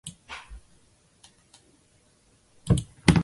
勇拂站日高本线的铁路车站。